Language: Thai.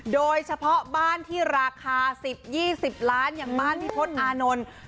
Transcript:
โดยเฉพาะบ้านที่ราคา๑๐๒๐ล้านอย่างบ้านพี่พศอานนท์